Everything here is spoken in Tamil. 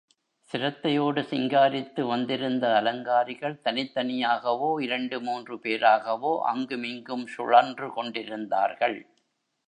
சிரத்தையோடு சிங்காரித்து வந்திருந்த அலங்காரிகள் தனித் தனியாகவோ, இரண்டு மூன்று பேராகவோ அங்கு மிங்கும் சுழன்று கொண்டிருந்தார்கள்.